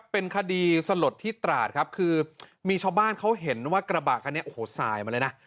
เป็นคดีสลดที่ตราดครับคือมีชาวบ้านเขาเห็นว่ากระบะคันนี้โอ้โหสายมาเลยนะ